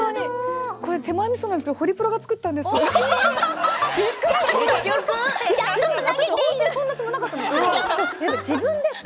これ手前みそなんですけどホリプロが作った本なんです。